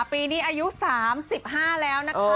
ปีนี้อายุสามสิบห้าแล้วนะคะ